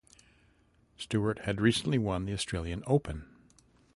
Stewart had recently won the Australian Open.